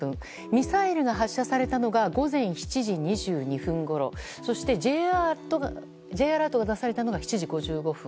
ミサイルが発射されたのが午前７時２２分ごろそしてＪアラートが出されたのが７時５５分。